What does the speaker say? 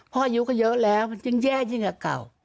พ่อยูก็เยอะแล้วยังแย่ยิ่งกับเก่า